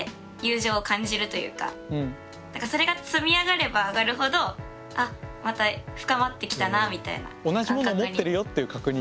それが積み上がれば上がるほど「あまた深まってきたな」みたいな。